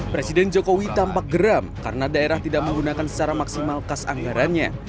presiden jokowi tampak geram karena daerah tidak menggunakan secara maksimal kas anggarannya